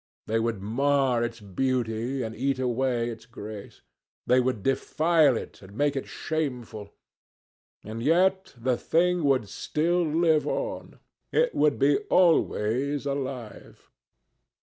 They would mar its beauty and eat away its grace. They would defile it and make it shameful. And yet the thing would still live on. It would be always alive.